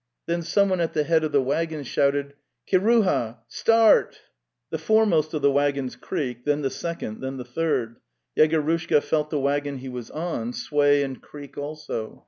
Then someone at the head of the waggons shouted : Viral) Sta artl The foremost of the waggons creaked, then the second, |then' the /third:)).).\'. "Yegorushka (felt thie waggon he was on sway and creak also.